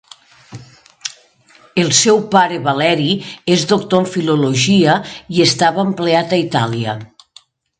El seu pare Valeri és doctor en filologia i estava empleat a Itàlia.